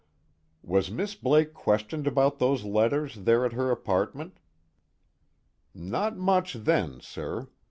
"Was Miss Blake questioned about those letters, there at her apartment?" "Not much then, sir.